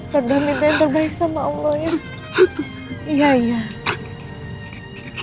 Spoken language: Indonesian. berdoa minta yang terbaik sama allah ibu